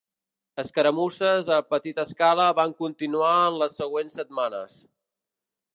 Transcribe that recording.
Escaramusses a petita escala van continuar en les següents setmanes.